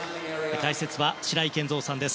解説は白井健三さんです。